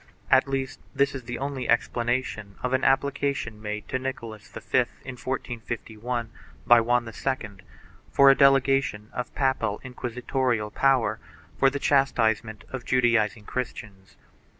At least this is the only explanation of an application made to Nicholas V, in 1451, by Juan II, for a delegation of papal inquisitorial power for the chastisement of Judaizing Christians.